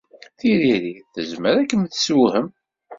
Tiririt tezmer ad kem-tessewhem.